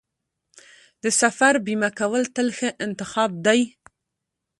د سفر بیمه کول تل ښه انتخاب دی.